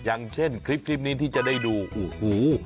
อย่างเช่นคลิปนี้ที่จะได้ดูโอ้โห